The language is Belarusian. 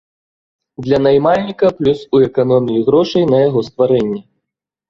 Для наймальніка плюс у эканоміі грошай на яго стварэнне.